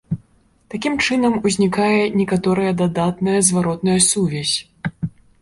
Такім чынам, узнікае некаторая дадатная зваротная сувязь.